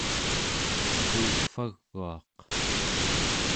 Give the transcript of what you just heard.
cuukvaguaq